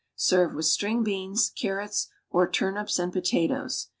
Serve with string beans, carrots or turnips and potatoes.